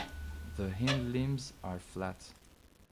The hindlimbs are flat.